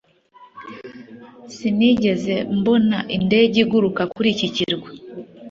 sinigeze mbona indege iguruka kuri iki kirwa